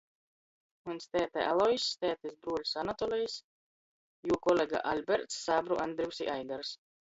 Muns tēte Aloizs, tētis bruoļs Anatolejs, juo kolega Aļberts, sābru Andrivs i Aigars.